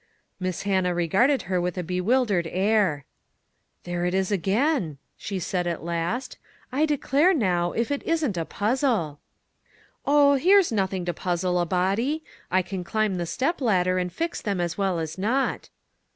Miss Hannah regarded her with a bewil dered air. " There it is again," she said, at last. " I declare, now, if it isn't a puzzle !" 28 ONE COMMONPLACE DAY. " Oh ! here's nothing to puzzle a body ; I can climb the step ladder, and fix them as well as not."